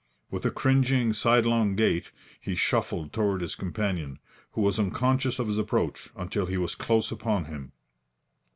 With a cringing, sidelong gait, he shuffled toward his companion, who was unconscious of his approach until he was close upon him.